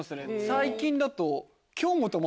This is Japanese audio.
最近だと。